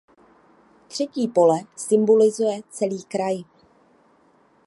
Třetí pole symbolizuje celý kraj.